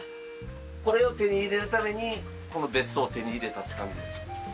これを手に入れるためにこの別荘を手に入れたって感じです。